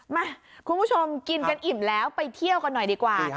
มาคุณผู้ชมกินกันอิ่มแล้วไปเที่ยวกันหน่อยดีกว่า